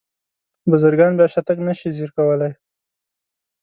بزګران بیا شاتګ ته نشي ځیر کولی.